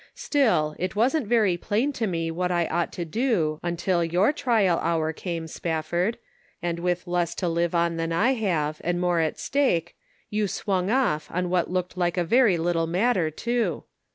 Still, it wasn't very plain to Measuring Responsibility. 401 me what I ought to do, until your trial hour came, Spafford, and with less to live on than I have, and more at stake, you swung off, on what looked like a very little matter, too.